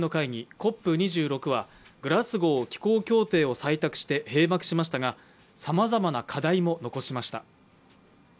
ＣＯＰ２６は、グラスゴー気候協定を採択して閉幕しましたが、さまざまな課題も残しました。